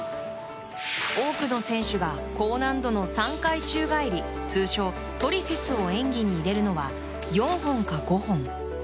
多くの選手が高難度の３回宙返り通称トリフィスを演技に入れるのは４本か５本。